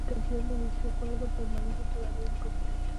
Ahora, a la distancia, se puede apreciar la inflexión en mi destino.